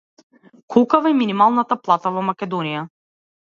Колкава е минималната плата во Македонија?